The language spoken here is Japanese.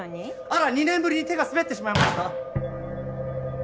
あら２年ぶりに手が滑ってしまいました。